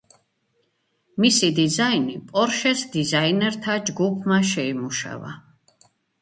მისი დიზაინი პორშეს დიზაინერთა ჯგუფმა შეიმუშავა.